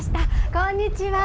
こんにちは。